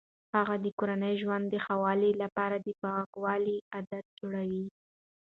هغه د کورني ژوند د ښه والي لپاره د پاکوالي عادات جوړوي.